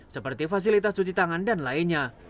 seperti fasilitas cuci tangan dan lainnya